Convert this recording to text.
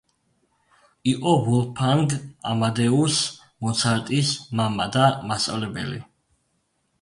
იყო ვოლფგანგ ამადეუს მოცარტის მამა და მასწავლებელი.